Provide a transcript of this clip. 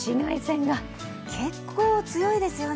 結構強いですよね。